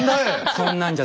そんなんじゃ